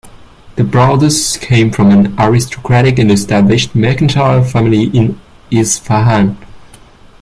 The brothers came from an aristocratic and established mercantile family in Isfahan.